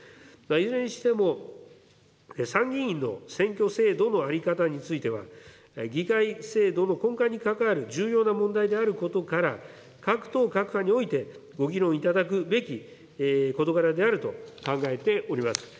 いずれにしても、参議院の選挙制度の在り方については、議会制度の根幹に関わる重要な問題であることから、各党各派において、ご議論いただくべき事柄であると考えております。